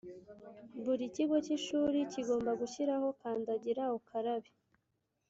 Buri kigo cy ishuri kigomba gushyiraho kandagira ukarabe.